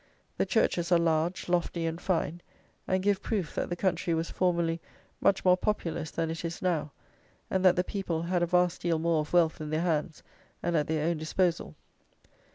The churches are large, lofty, and fine, and give proof that the country was formerly much more populous than it is now, and that the people had a vast deal more of wealth in their hands and at their own disposal.